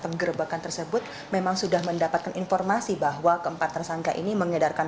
penggerbakan tersebut memang sudah mendapatkan informasi bahwa keempat tersangka ini mengedarkan